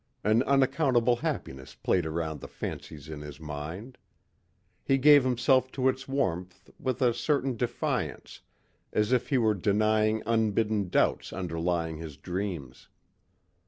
An unaccountable happiness played around the fancies in his mind. He gave himself to its warmth with a certain defiance as if he were denying unbidden doubts underlying his dreams.